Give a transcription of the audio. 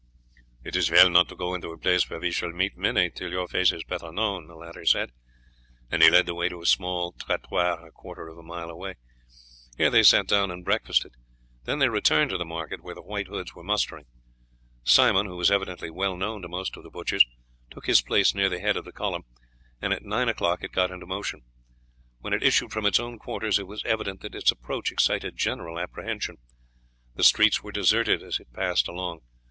"It is well not to go into a place where we shall meet many till your face is better known," the latter said; and he led the way to a small trattoir a quarter of a mile away. Here they sat down and breakfasted, then they returned to the market where the White Hoods were mustering. Simon, who was evidently well known to most of the butchers, took his place near the head of the column, and at nine o'clock it got into motion. When it issued from its own quarters it was evident that its approach excited general apprehension. The streets were deserted as it passed along.